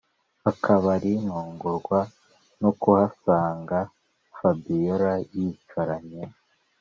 akabari ntungurwa no kuhasanga fabiora yicaranye